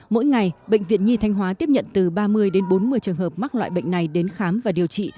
mỗi ngày bệnh viện nhi thanh hóa tiếp nhận từ ba mươi đến bốn mươi trường hợp mắc loại bệnh này đến khám và điều trị